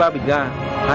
hai mươi ba bịch ga